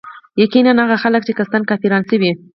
يقيناً هغه خلک چي قصدا كافران شوي